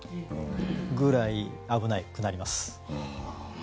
それぐらい危なくなります。